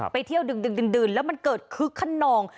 ไปเที่ยวดึกดื่นแล้วมันเกิดคึกขนอง